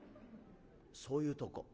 「そういうとこ。